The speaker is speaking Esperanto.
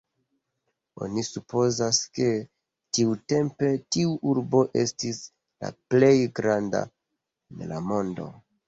Oni supozas, ke tiutempe tiu urbo estis la plej granda en la mondo.